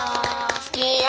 好きよ！